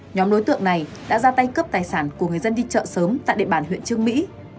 nhóm đối tượng này đã ra tay cướp tài sản của người dân đi chợ sớm tại địa bàn huyện trương mỹ